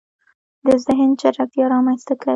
د زهن چټکتیا رامنځته کوي